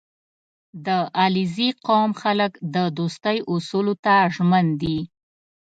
• د علیزي قوم خلک د دوستۍ اصولو ته ژمن دي.